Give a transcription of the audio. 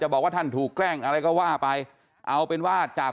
แต่ว่าอยู่บ้านเดียวกันนะอยู่บ้านเดียวกัน